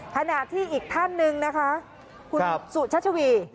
ถนาที่อีกท่านหนึ่งคุณสุชัชวี